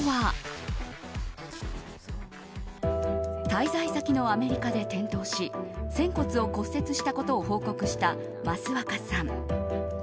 滞在先のアメリカで転倒し仙骨を骨折したことを報告した益若さん。